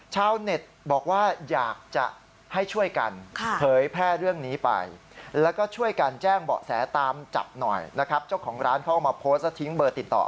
ชาวเน็ตบอกว่าอยากจะให้ช่วยกันเผยแพร่เรื่องนี้ไปแล้วก็ช่วยกันแจ้งเบาะแสตามจับหน่อยนะครับ